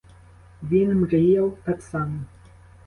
Він мріяв так само.